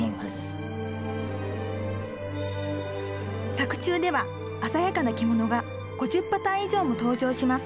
作中では鮮やかな着物が５０パターン以上も登場します。